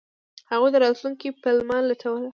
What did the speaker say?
هغوی د راتلونکي پلمه لټوله.